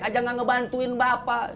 aja gak ngebantuin bapak